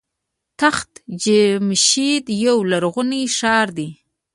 تخت جمشید یو لرغونی ښار دی.